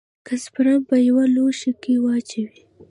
که سپرم په يوه لوښي کښې واچوې.